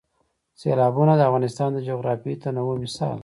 سیلابونه د افغانستان د جغرافیوي تنوع مثال دی.